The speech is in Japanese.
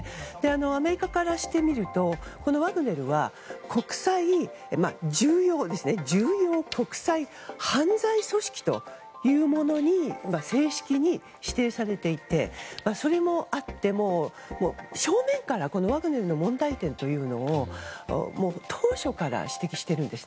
アメリカからしてみるとワグネルは重要国際犯罪組織というものに正式に指定されていてそれもあって、正面からこのワグネルの問題点というのを当初から指摘しているんです。